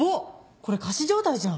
これ仮死状態じゃん。